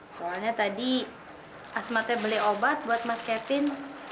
soalnya tadi asma teh beli obat buat mas kevin